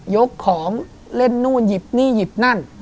ยกของเล่นนู่นหยิบนี่หยิบนั่น